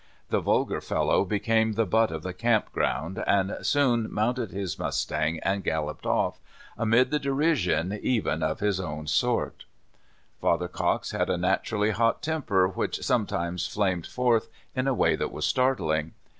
The vulgar fellow became the butt of the camp 2;roun(l, and soon mounted his miistaiig, and galloped off, amid (he dcj iriion even of his own sort. Father Cox. 87 Father Cox had a naturally liot temper, which sometimes flamed forth in a way that w^as startling.